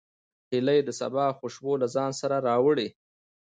هیلۍ د سبا خوشبو له ځان سره راوړي